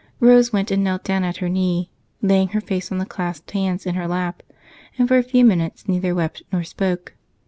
Rose went and knelt down at her knee, laying her face on the clasped hands in her lap, and for a few minutes neither wept nor spoke.